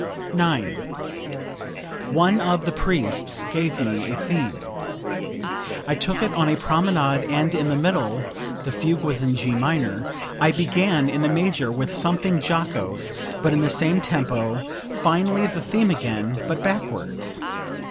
9. "One of the priests gave me a theme. I took it on a promenade and in the middle (the fugue was in G minor) I began in the major, with something jocose but in the same tempo; finally the theme again, but backwards.